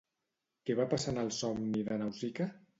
Què va passar en el somni de Nausica?